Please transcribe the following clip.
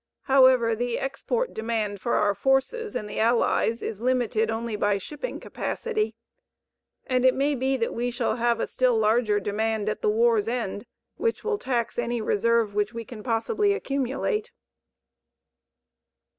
However, the export demand for our forces and the Allies is limited only by shipping capacity, and it may be that we shall have a still larger demand at the war's end which will tax any reserve which we can possibly accumulate.